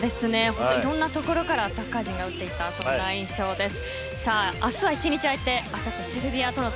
いろんな所からアタッカー陣が打っていた印象です。